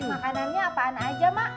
makanannya apaan aja mbak